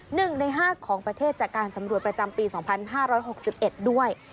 หนึ่งในห้าของประเทศจากการสำรวจประจำปี๒๕๖๑ด้วย